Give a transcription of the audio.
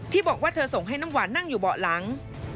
บอกว่าเธอส่งให้น้ำหวานนั่งอยู่เบาะหลัง